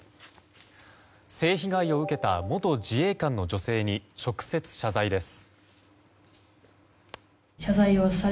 性被害を受けた元自衛官の女性に直接、謝罪です。